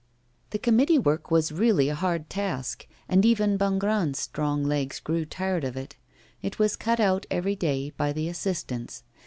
The committee work was really a hard task, and even Bongrand's strong legs grew tired of it. It was cut out every day by the assistants.